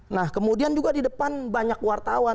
nah kemudian juga di depan banyak wartawan